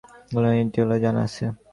Gregorian integral জানা আছে?